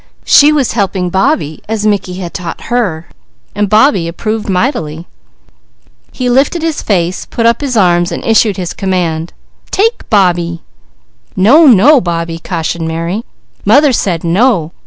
She was helping Bobbie as Mickey had taught her. And Bobbie approved mightily. He lifted his face, put up his arms and issued his command: "Take Bobbie!" "No! No, Bobbie," cautioned Mary. "Mother said no!